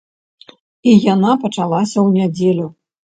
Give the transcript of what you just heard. І яна пачалася ў нядзелю.